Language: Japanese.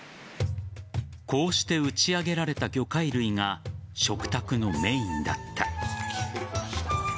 こうして打ち上げられた魚介類が食卓のメインだった。